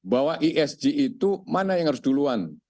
bahwa esg itu mana yang harus duluan